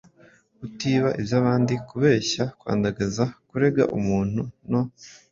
Kutiba iby’abandi, kubeshyera, kwandagaza, kurega umuntu, no